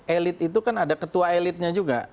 elit itu kan ada ketua elitnya juga